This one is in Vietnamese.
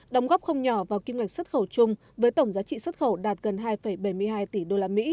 đóng góp không nhỏ vào kim ngạch xuất khẩu chung với tổng giá trị xuất khẩu đạt gần hai bảy mươi hai tỷ usd